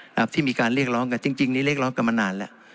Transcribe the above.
ครับที่มีการเรียกร้องกันจริงนี้เรียกร้องกันมานานแล้ว